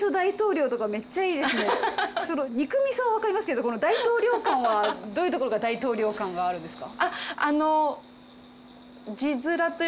ニクミソはわかりますけどこの大統領感はどういうところが大統領感があるんですか？